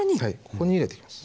ここに入れてきます。